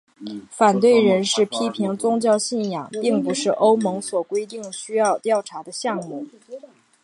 反对人士批评宗教信仰并不是欧盟所规定需要调查的项目。